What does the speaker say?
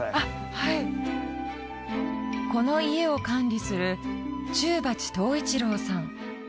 はいこの家を管理する中鉢藤一郎さん